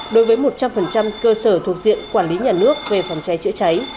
đối với một trăm linh cơ sở thuộc diện quản lý nhà nước về phòng cháy chữa cháy